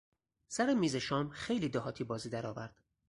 سر میز شام خیلی دهاتی بازی درآورد.